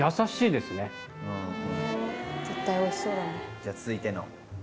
じゃあ続いての。